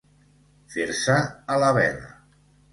Fer-se a la vela.